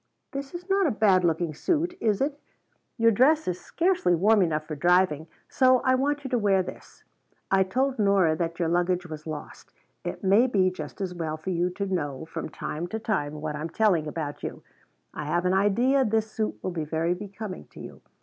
"This is not a bad looking suit, is it? Your dress is scarcely warm enough for driving, so I want you to wear this. I told Nora that your luggage was lost. It may be just as well for you to know, from time to time, what I'm telling about you. I have an idea this suit will be very becoming to you.